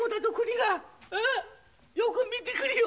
よく見てくれよ。